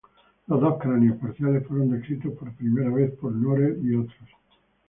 Los dos cráneos parciales fueron descritos por primera vez por Norell "et al.